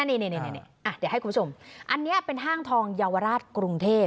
นี่นี่นี่นี่อ่ะเดี๋ยวให้คุณผู้ชมอันนี้เป็นห้างทองเยาวราชกรุงเทพ